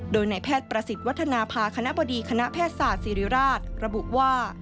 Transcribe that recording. โดยในแพทย์ประสิทธิ์วัฒนภาคณะบดีคณะแพทยศาสตร์ศิริราชระบุว่า